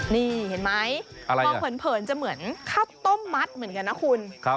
นี่เห็นไหมมองเผินจะเหมือนข้าวต้มมัดเหมือนกันนะคุณ